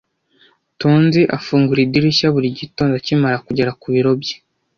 Tonzi afungura idirishya buri gitondo akimara kugera ku biro bye.